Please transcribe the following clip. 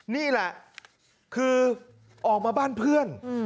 นี่แหละคือออกมาบ้านเพื่อน